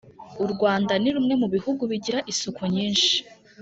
u rwanda ni rumwe mu bihugu bigira isuku nyinshi